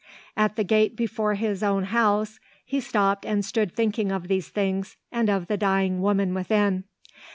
At the gate before his own house he stopped and stood thinking of these things and of the dying woman within.